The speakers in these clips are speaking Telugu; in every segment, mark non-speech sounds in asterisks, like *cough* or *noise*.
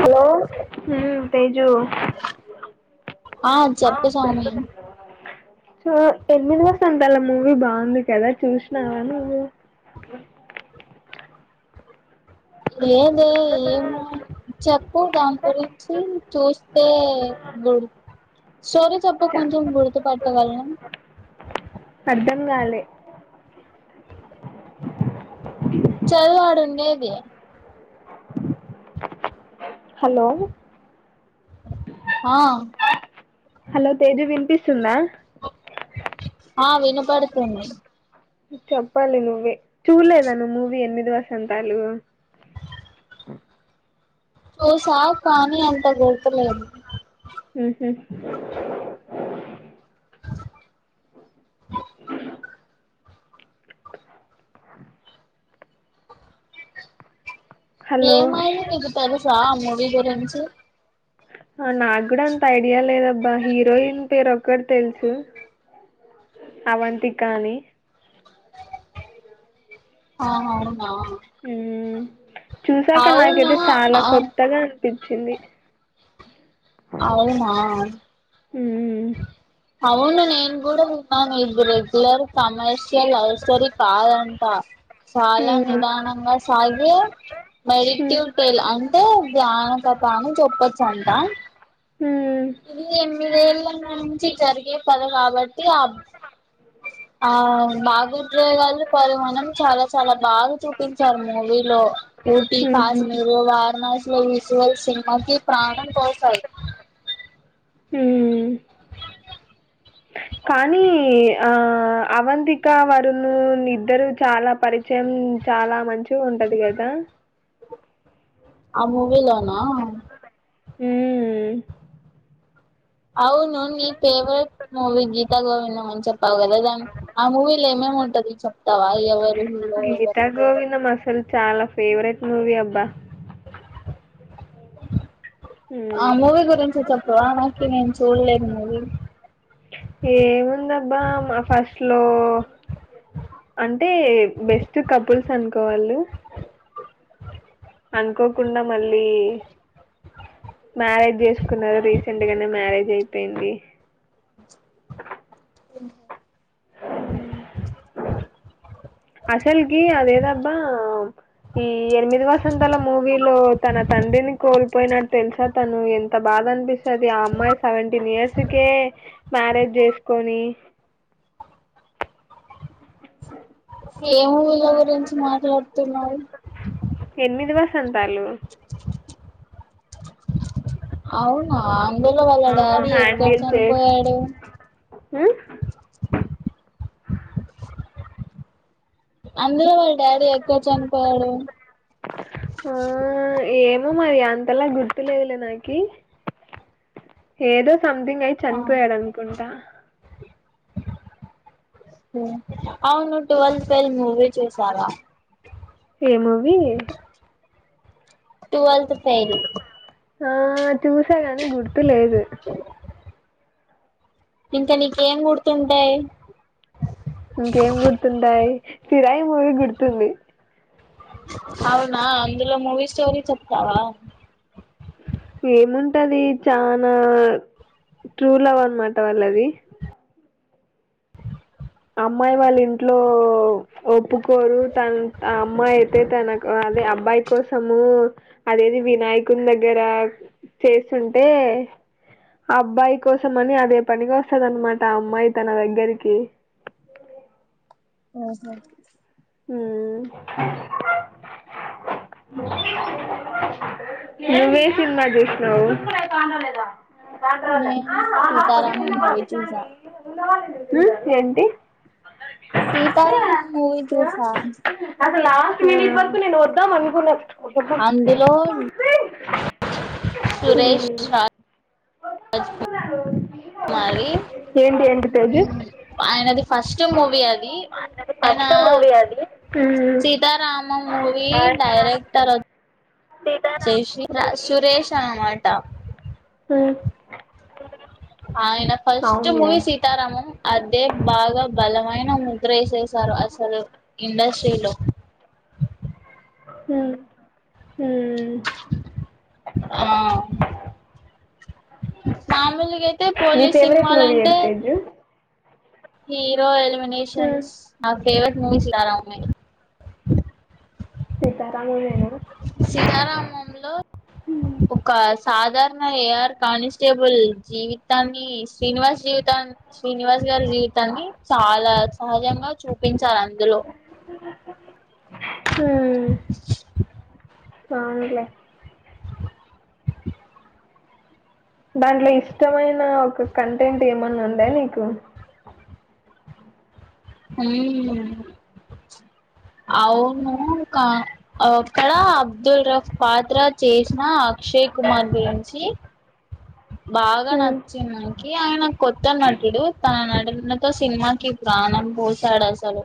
హలో హ్మ్ తేజూ ఆ చెప్పు సౌమ్య సో ఎనిమిది వసంతల మూవీ బాగుంది కదా చూసినావా నువ్వు లేదే ఏమో చెప్పు దాని గురించి చూస్తే గుర్ స్టోరీ చేప్పు చ కొంచెం గుర్తుపట్టగలం ఉన్నాలే చదువు ఆడుండేది ఏ అ హలో ఆ హలో తేజు వినిపిస్తుందా ఆ వినపడుతుంది చెప్పాలి నువ్వే చూలేదా నువ్వు మూవీ ఎనిమిది వసంతాలు ఓ ఓసా కానీ అంత గుర్తులేదు ఉమ్మ్ ట హలో ఏమైంది నీకు తెలుస్ చ మూవీ గురించి నాకు కూడా అంత ఐడియా లేదబ్బా హీరోయిన్ పేరు ఒక్కటి తెలుసు అవంతిక అని ఆహ ఆ హ్మ్ చూసాక అవునా నాకైతే చాలా ఆ కొత్తగా పించింది అవునా హ్మ్ నేను కూడా అవును ఇది రెగ్యులర్ కమర్షియల్ లవ్ స్టోరి కాదు అంటా చాలా హ్మ్ నిదానంగా సాగిే వైట్ హ్మ్ టైల్ అం తే దానంత పని చేప్పచ్చంటా హ్మ్ ఇదిఎం ఇరవై ఏళ్ల నుంచి జరిగే పగ కాబట్టి ఆ ఆ బాగా ఉద్రోగాలు పరిమానం చాలా చాలా బాగా చూపించారు మూవీలో ఊటీ ఫస్ హ్మ్ మీరు వారణాసి విజువల్స్ సినిమాకి ప్రాణం పోసాడు హుమ్మ్ కానీ ఆ అవంతిక వరుణు ఇద్దరు చాలా పరిచయం చాలా మంచిగా ఉంటది కదా ఆ మూవీలోనా ఉమ్మ్మ్ అవును ని ఫేవరెట్ మూవి గీత గోవిందం అని చెప్పావు కదా దన్ ఆ మూవీ లో ఏమేముంటది చెప్తావా ఎవరు హీరో ఎవరు గీతా హీరోయిన్ గోవిందం అసలు చాలా ఫేవరెట్ మూవీ అబ్బా ఆ హ్మ్ మూవీ గురించి చెప్పవా నాకు నేను చూడలేదు మూవీ ఏముందబ్బా మా ఫస్ట్ లో అంటే బెస్ట్ కపుల్స్ అనుకోవాళు అనుకోకుండా మళ్ళీ మ్యారేజ్ చేసుకున్నారు రీసెంట్ గానే మ్యారేజ్ అయిపోయింది అ అసలికి అదేదప్పా ఈ ఈ ఎనిమిది వసంతల మూవీలో తన తండ్రిని కూలిపోయినతెలుసా తను ఎంత బాధ అనిపిస్తుది ఆ అమ్మాయి సెవెంటీన్ ఇయర్స్కే మ్యారేజ్ చేసుకొని ఏ మూవీలో గురించి మాట్లాడుతునవ్ ఎనిమిది వసంత తాలు అవునా అందులో వాళ్ళ ఆ డాడీ ఎక్కడ హ్యాండిల్ చే చనిపోయాడు అందులో వాళ్ళ డాడీ ఎక్కడ చనిపోయాడు ఆ ఏ మరి అంతలా గుర్తు లేదులే నాకి ఏదో సంథింగ్ అయి ఆ చనిపోయాడు అనుకుంటా అవును ట్వల్ ఫెయిల్ మూవీ చూసావా ఏ మూవి ట్వెల్త్ ఫెయిల్ ఆ చూసా గాని గుర్తు లేదు ఇంకా నీకు ఏం గుర్తుంటాయి ఇంకేం గుర్తుంటాయి ఫిరాయి మూవీ గుర్తుంది అవునా అందులో మూవీ స్టోరీ చెప్తావా ఏముంటది చనా ట్రూ లవ్ అనమాట వాళ్ళది అమ్మాయి వాళ్ళ ఇంట్లో ఒప్పుకోరు తన ఆ అమ్మాయి అయితే తన అదే అబ్బాయి కోసము అదేది వినాయకుని దగ్గర చేస్తుంటే ఆ అబ్బాయి కోసం అని అదే పని వస్తంది అనమాట ఆ అమ్మాయి తన దగ్గరికి ఆహ ఉమ్ నువ్వే సినిమా చూసినావు నేను సీతారామం మూవీ చూసా హు ఏంటి సీతారామం మూవీ చూసా ఆది లాస్ట్ మట్ ఇవరకు నేను ఓ *unintelligible* అందులో సురేష్ రా వ పన్నా మరి ఆయనది ఫస్ట్ మూవీ అది ఆయన హ్మ్. సీతారామ మూవీ డైరెక్టర్ జై శ్రీ *unintelligible* సురేష్ అనమాట ఉ ఆయన ఫస్ట్ మూవి సీతారామం అదే బాగా బలమైన ముద్రఏసేస్ స అసలు ఇండస్ తిలో హ్మ హ్మ ఆ మామూలుగా అయితే నీ పోలీస్ ఫేవరెట్ మూవీ సినిమాలంటే ఏది తేజు హీరోయల్ కనెస్షన్స్ ఫవరెట్ మూవీస్ చాలా ఉనాయి సీతారామమేన సీతారామంలో హ్మ్. ఒక సాధారణ ఏఆర్ కానిస్టేబుల్ జీవితాన్ని శ్రీనివాస్ జీవితా శ్రీనివాస్ గారి జీవితాన్ని చాలా సహజంగా చూపించారు అందులో హ్మ అవున్లె దాంట్లో ఇష్టమైన ఒక కంటెంట్ ఏమన్నా ఉందా నీకు హ్మ అవును కా అక్కడ అబ్దుల్ రఫ్ పాత్ర చేసిన అక్షయ్ కుమార్ గురించి బాగా హ్మ్. నచ్చింది కే అయనా కొత్త నటుడు తాన్ న్నతో సినిమాకి ప్రాణం పోశాడు అసలు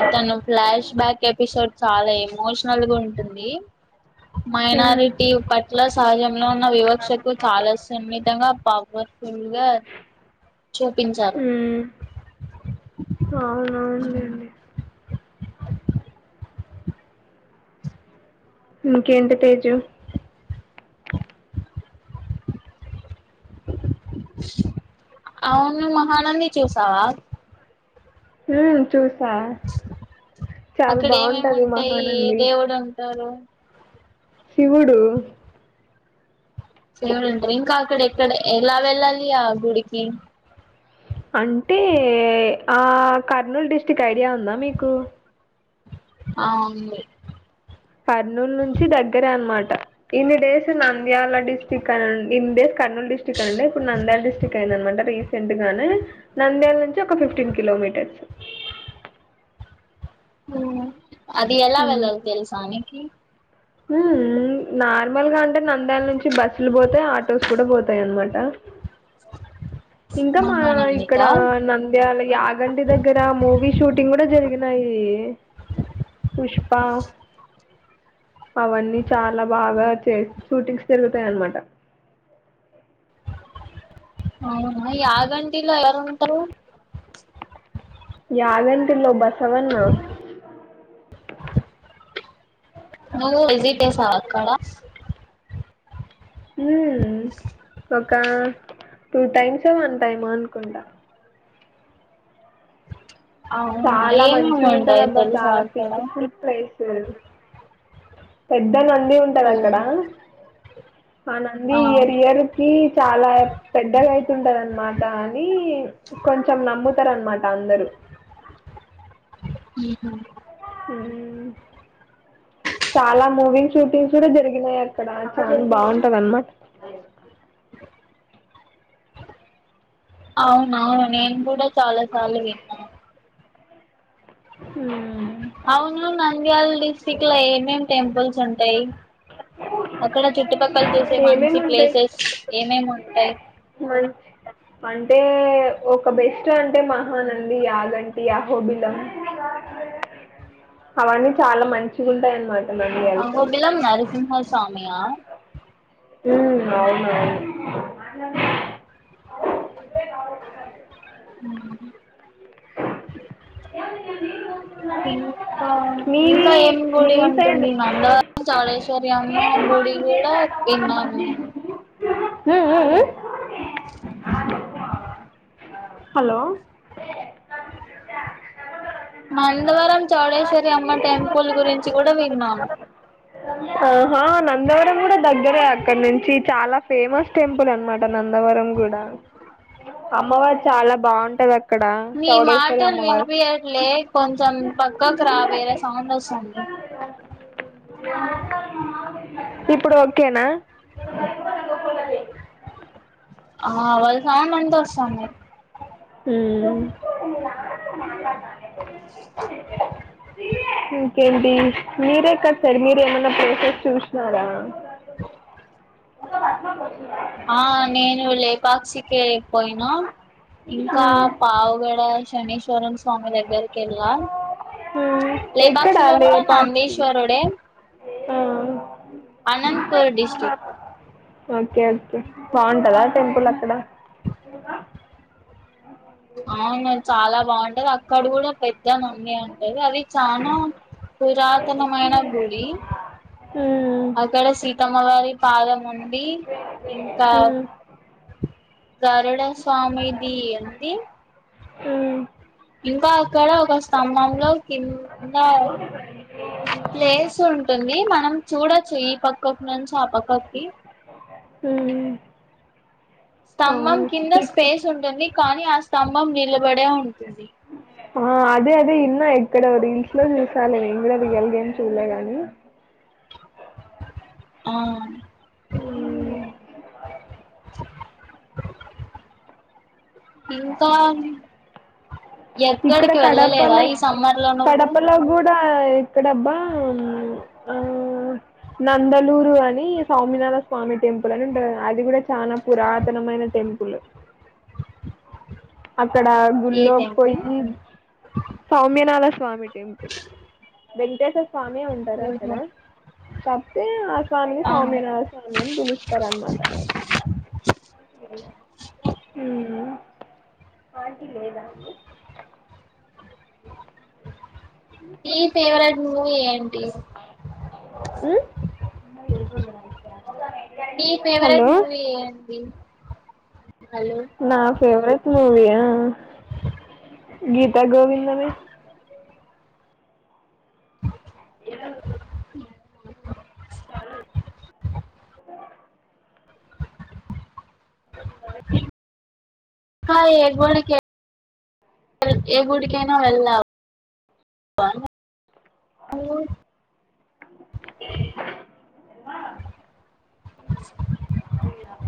అతను ఫ్లాష్ బ్యాక్ ఎపిసోడ్ చాలా ఎమోషనల్గుంటుంది హ్మ్. మైనారిటీ పట్ల సహజం లో ఉన్న వివక్షకు చాలా ష్ సునీతంగా పవర్ఫుల్గ హ్మ అవునవుందడి ఇంకెంత పేజు అవును మహానంది చూసావా హ్మ చు అక్కడ ఏమేమి బాగుంటది ఉంటాయి మహానంది దేవుడు ఉంటారు శివుడు ఫేవరెట్ ఇంకా అక్కడ ఎక్కడ ఎలా వెళ్ళాలి ఆ గుడికి అంటే ఆ కర్నూలు డిస్ట్రిక్ట్ ఐడియా ఉందా మీకు ఆ ఉంది కర్నూలు నుంచి దగ్గరే అనమాట ఇన్ని డేస్ నంద్యాల డిస్టిక్ అని ఉం ఇన్ డేస్ కర్నూలు డిస్టిక్ అండీ ఇప్పుడు నంద్యాల్ డిస్టిక్ అయిందనమాట రి రీసెంట్గానే నంద్యాల నుంచి ఒక ఫిఫ్టీన్ కిలోమీటర్స్ ఉమ్ అది ఎలా వెళ్ళాలి తెలుసా మీకీ ఉమ్ నార్మల్గా అంటే నంద్యాల నుంచి బస్సులు పోతాయ్ ఆటోస్ కూడా పోతాయనమాట ఇంకా మా ఇక్కడ మహానందికా నంద్యాల యాగంటి దగ్గర మూవీ షూటింగ్ కూడా జరిగినాయి పుష్ప అవన్నీ చాలా బాగా చేస్ షూటింగ్స్ చెల్ తాయన్నమాట అవునా యాగంటిలో ఎవరెవరు ఉంటారు యాగంటిలో బసవన్న నువ్వు విజిటేసావా అక్కడ ఉమ్ ఒక టూ టైమ్సే వన్ టైమ్ అనుకుంటా అవునా చాలా ఏమేమి ఉంటాయి మంచిగుంటదప్ప తెలుసా చాలా అక్కడ పీస్ ఫుల్ ప్లేస్ పెడ్ పెద్ద నంది ఉంటది ఓ అక్కడ ఆ నంది ఇయర్ ఇయర్ కి చాలా పెద్దగ అవుతుంది అన్నమాట అని కొంచం నమ్ముతారు అనమాట అందరూ ఉమ్ హు మ్మ్ చాలా మూవి షూటింగ్స్ కూడా జరిగినై అక్కడ మ్మ్ బాగుంటద అనమాట అ అవునవును నేను కూడా చాలా సార్లు విన్నా *inaudible* అవును నంద్యాల్ డిస్టిక్లో ఏమేం టెంపుల్స్ ఉంటాయి అక్కడ చుట్టుపక్కల చు సే ఏమేమి మంచి ఉంటాయి ప్లేసెస్ ఏమేమి ఉంటాయి మంచి అంటే ఒక బెస్ట్ అంటే మహానంది యాగంటి యాహోబిలం అవన్నీ చాలా మంచిగా ఉంటాయి అన్నమా అహోబిలం నరసింహ స్వ స్వామి ఆ హ్మ అవును అవును ఇంకా మీది ఇంకా ఏం గుడి మీ సైడ్ ఉంటుంది మంగళవారం చోల్సేవర్ అమ్మ గుడి కూడా ఏమా *inaudible* హలో నందవరం చౌడేశ్వరి అమ్మ టెంపుల్ గురించి కూడా విన్నాము ఆహా నందవరం కూడా దగ్గరే అక్కడి నుంచి చాలా ఫేమస్ టెంపుల్ అనమాట నందవరం గూడా అమ్మవారు చాలా బాగుంటది అక్క మీ మాటలు వినిపయట్లే కొంచెం పక్కకు రా వేరే సౌండ్ వస్తుంది ఇప్పుడు ఓకే ఓకేనా ఆ వాళ్ళ సౌండ్ అంత వస్తుంది హ్మ్మ్ ఇంకేంటి మీరే క సార్ మీర ఏమన్నా ప్లేసెస్ చూసినారా? మ బార్ *inaudible* ఆ నేను లే పాక్షిి కి పోయినా ఇంకా మ్మ్. పావుగడ శనీీశ్వరన్ స్వామి దగ్గరకి ఎలా మ్మ్. ఎక్కడ లేపాక్షిలో కూడా లేపాక్షి నందిశ్వరుడే ఆ, అనంతపూర్ డిస్ట్రిక్ట్ ఓకే ఓకే బాగుంటందా టెంపుల్ అక్కడ అవును చాలా బాగుంటది అక్కడ కూడా పెద్ద మమ్మీ అంటది అది చాలా పురాతనమైన గుడి మ్మ్. అక్కడ సీతమ్మవారి పాదం ఉండి ఇంకా మ్మ్. గరుడ స్వామిది ఎంది మ్మ్ ఇంకాక్కడ ఒక స్తంభంలో కింద ప్లేస్ ఉంటుంది మనం చూడచ్చు ఈ పక్కకి నుంచి ఆ పక్కకికి మ్మ్ స్తంభం అవును కింద ఇక్కడ స్పేస్ ఉంటుంది కానీ అ స్త్ స్తంభం నిలబడే ఉంటుంది ఆ అదే అదే ఇనా ఎ ఇక్కడ రీల్స్ లో చూసాలే నేన్ కూడా రియల్ గా ఎం చూడలే గాని *unintelligible* ఆ మ్మ్ ఇంకా ఇక్కడ ఎక్కడికి వెళ్ళలేదా కడపలో ఈ సమ్మర్ లో నువ్వు కడపలో కూడా ఎక్కడబ్బా ఆ నందలూరు అని సౌమినాథ స్వామి టెంపుల్ అని ఉంటది అది కూడా చాలా పురాతనమైన టెంపుల్ ఇక్కడ ఈ గుల్లోకి టెంపుల్ పోయి సౌమ్యనాల స్వామి టెంపుల్ వెంకటేశ స్వామి ఉంటారు అక్కడ తప్పతే ఆ స్వామి ఆ స్వామ్య నాథ స్వామి అని పిలుస్తారు అనమాట ఉ ఆంటీ లేదా అండి నీ ఫేవరెట్ ను ఏం టి ఇ పెరుగుంట నక మీ ఫేవరెట్ మూవీ ఏంది నా ఫేవరెట్ మూవీ ఆ గీత గోవిందమే ఎ లో *inaudible* హా ఏ గుడికి ఏ గుడికైనా వెళ్దామా హలో ఆహ అహ